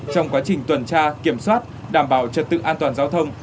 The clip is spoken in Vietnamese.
trong quá trình tuần tra kiểm soát đảm bảo trật tự an toàn giao thông